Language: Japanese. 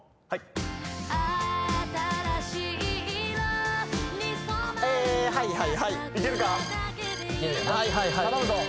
はいはい。